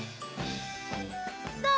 どう？